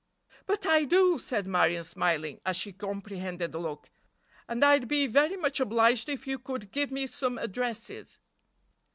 "But I do," said Marion, smiling, as she comprehended the look: "and I'd be very much obliged if you could give me some addresses."